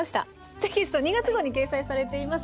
テキスト２月号に掲載されています。